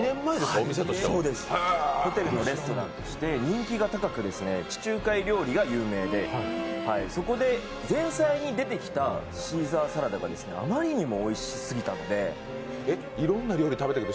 ホテルのレストランとして人気が高く地中海料理が有名でそこで前菜に出てきたシーザーサラダがあまりにもおいしすぎたので。